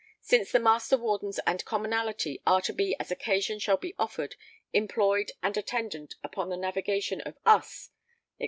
Since the Master Wardens and Commonalty_] are to be as occasion shall be offered employed and attendant upon the Navigation of Us [etc.